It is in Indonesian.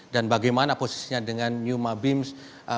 dan bagaimana posisinya dengan yuma bims